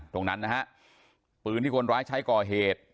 ตรงนั้นนะฮะปืนที่คนร้ายใช้ก่อเหตุ